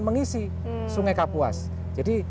mengisi sungai kapuas jadi